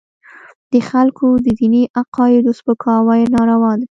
د خلکو د دیني عقایدو سپکاوي ناروا دی.